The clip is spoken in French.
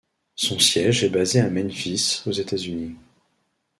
Son siège est basé à Memphis, aux États-Unis.